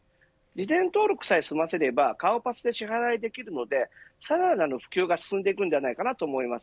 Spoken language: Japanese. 事前登録さえ済ませれば顔パスで支払いできるのでさらなる普及が進んでいくのではないかと思います。